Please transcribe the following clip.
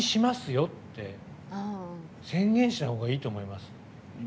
よって宣言したほうがいいと思います。